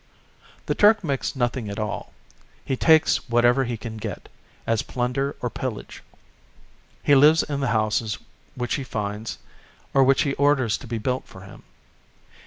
The Turk makes nothing at all; he takes whatever he can get, as plunder or pillage. He lives in the houses which he finds, or which he orders to be built for him.